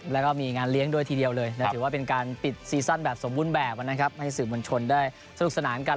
แล้วก็มีงานเลี้ยงด้วยทีเดียวเลยถือว่าเป็นการปิดซีซั่นแบบสมบูรณ์แบบนะครับให้สื่อมวลชนได้สนุกสนานกัน